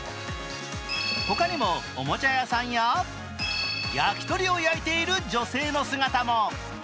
他にも、おもちゃ屋さんや焼き鳥を焼いている女性の姿も。